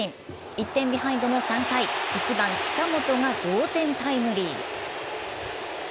１点ビハインドの３回１番・近本が同点タイムリー。